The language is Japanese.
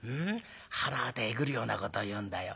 はらわたえぐるようなこと言うんだよ。